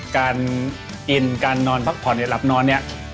การกินการนอนพักผ่อนหรือหลับนอนเนี่ย